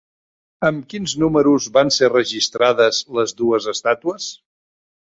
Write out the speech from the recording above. Amb quins números van ser registrades les dues estàtues?